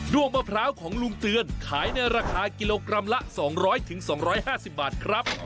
้วงมะพร้าวของลุงเตือนขายในราคากิโลกรัมละ๒๐๐๒๕๐บาทครับ